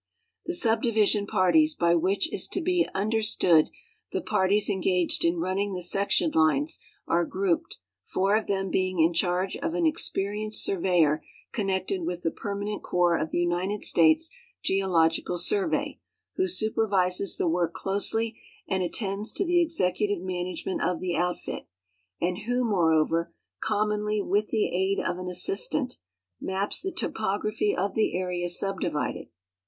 The subdivision parties, by which is to be understood the par ties engaged in running the section lines, are grouped, four of them being in charge of an experienced surveyor connected with the permanent corps of the United States Geological Survey, who supervises the work closely and attends to the executive man agement of the outfit, and who, moreover, commonly with the aid of an assistant, maps the topography of the area subdivided.